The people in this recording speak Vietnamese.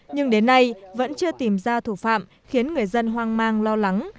nhưng đến nay vẫn chưa tìm ra thủ phạm khiến người dân hoang mang lo lắng